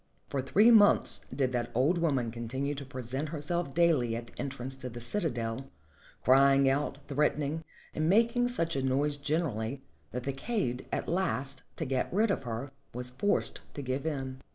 For three months did that old woman continue to present herself daily at the entrance to the citadel, crying out, threatening, and making such a noise gener ally that the kaid at last, to get rid of her, was forced to give in.